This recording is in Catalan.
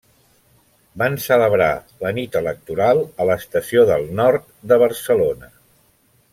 Van celebrar la nit electoral a l'Estació del Nord de Barcelona.